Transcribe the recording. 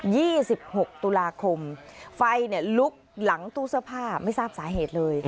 สิบหกตุลาคมไฟเนี่ยลุกหลังตู้เสื้อผ้าไม่ทราบสาเหตุเลย